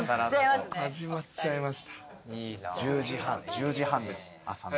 １０時半です朝の。